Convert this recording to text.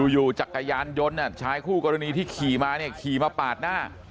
จักรยานยนต์ชายคู่กรณีที่ขี่มาเนี่ยขี่มาปาดหน้า